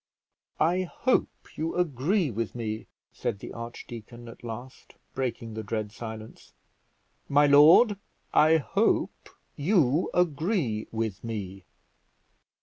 "I hope you agree with me," said the archdeacon at last, breaking the dread silence; "my lord, I hope you agree with me."